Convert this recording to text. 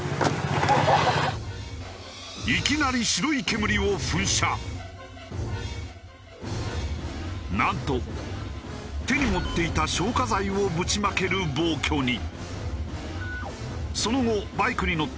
いきなりなんと手に持っていた消火剤をぶちまける暴挙に。